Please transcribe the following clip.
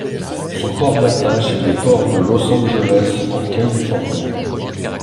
Son port d'attache est le port de Los Angeles, en Californie.